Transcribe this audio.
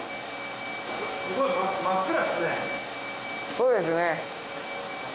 そうですね。